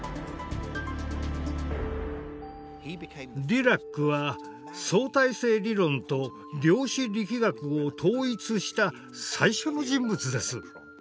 ディラックは相対性理論と量子力学を統一した最初の人物です。